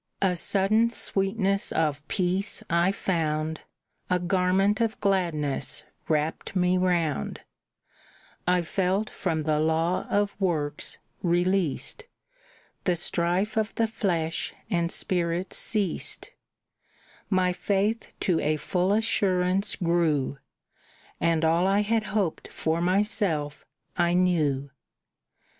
"A sudden sweetness of peace I found, A garment of gladness wrapped me round; I felt from the law of works released, The strife of the flesh and spirit ceased, My faith to a full assurance grew, And all I had hoped for myself I knew.